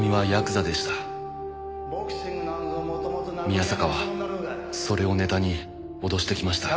「宮坂はそれをネタに脅してきました」